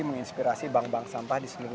menginspirasi bank bank sampah di seluruh